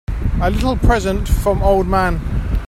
A little present from old man.